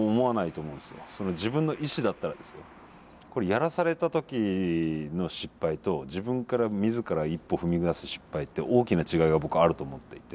やらされた時の失敗と自分から自ら一歩踏み出す失敗って大きな違いが僕はあると思っていて。